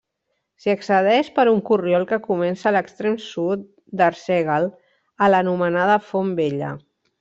S'hi accedeix per un corriol que comença a l'extrem sud d'Arsèguel a l'anomenada Font Vella.